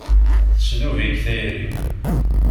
Tesdub-ik tayri.